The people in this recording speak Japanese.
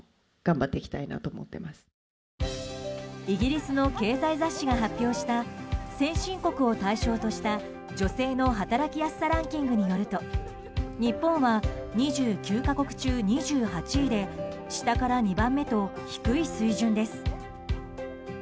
イギリスの経済雑誌が発表した先進国と対象とした女性の働きやすさランキングによると日本は２９か国中２８位で下から２番目と低い水準です。